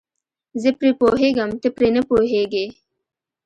زه پرې پوهېږم ته پرې نه پوهیږې.